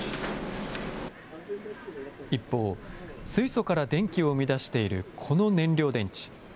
一方、水素から電気を生み出しているこの燃料電池。